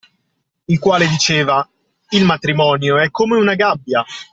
Il quale diceva: Il matrimonio è come una gabbia